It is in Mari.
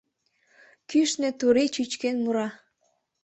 Кӱшнӧ турий чӱчкен мура.